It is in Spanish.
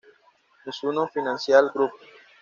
Mizuho Financial Group